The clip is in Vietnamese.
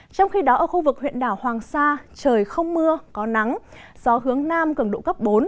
trong khi đó ở khu vực huyện đảo hoàng sa trời không mưa có nắng gió hướng nam cường độ cấp bốn